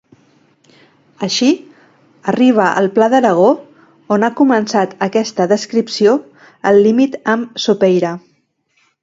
Així, arriba al Pla d'Aragó, on ha començat aquesta descripció, al límit amb Sopeira.